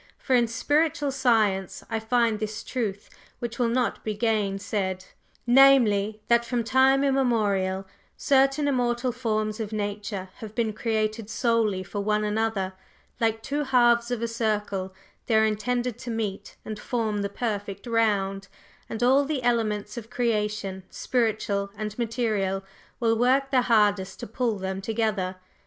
For in spiritual science I find this truth, which will not be gainsaid namely, that from time immemorial, certain immortal forms of Nature have been created solely for one another; like two halves of a circle, they are intended to meet and form the perfect round, and all the elements of creation, spiritual and material, will work their hardest to pull them together.